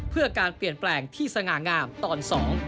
เพื่อการเปลี่ยนแปลงที่สง่างามตอน๒